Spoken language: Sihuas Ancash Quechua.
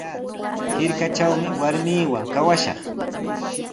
Hirkatrawmi warmiiwan kawashaq.